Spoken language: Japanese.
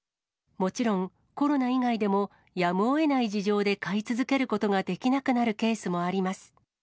もちろん、コロナ以外でもやむをえない事情で飼い続けることができなくなるケースもあります。